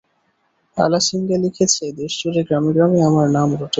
আলাসিঙ্গা লিখেছে, দেশ জুড়ে গ্রামে গ্রামে আমার নাম রটেছে।